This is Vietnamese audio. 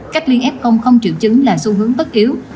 cách ly f không triệu chứng là xu hướng bất yếu